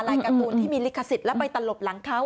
การ์ตูนที่มีลิขสิทธิ์แล้วไปตลบหลังเขา